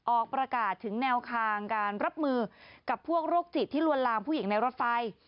ออกประกาศถึงแนวทางการรับมือกับพวกโรคจิตที่ลวนลามผู้หญิงในรถไฟ